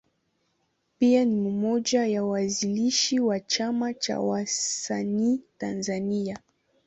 Pia ni mmoja ya waanzilishi wa Chama cha Wasanii Tanzania.